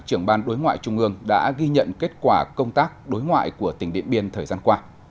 trưởng ban đối ngoại trung ương đã ghi nhận kết quả công tác đối ngoại của tỉnh điện biên thời gian qua